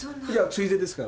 ついでですから。